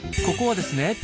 ここはですね